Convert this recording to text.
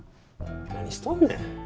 何しとんねん？